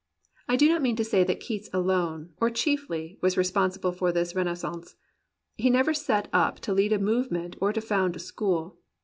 I do not mean to say that Keats alone, or chiefly, was responsible for this renascence. He never set up to lead a movement or to found a school.